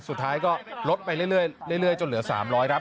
สุดท้ายก็ลดไปเรื่อยจนเหลือ๓๐๐ครับ